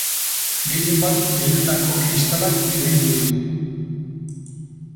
Gehienbat leihoetako kristalak birrindu ditu.